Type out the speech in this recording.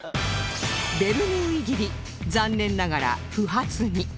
ベルヌーイ切り残念ながら不発に